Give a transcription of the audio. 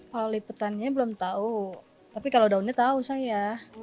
kalau liputannya belum tahu tapi kalau daunnya tahu saya